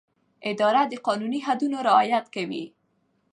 اداره د قانوني حدودو رعایت کوي.